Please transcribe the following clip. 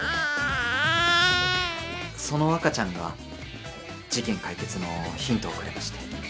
・その赤ちゃんが事件解決のヒントをくれまして。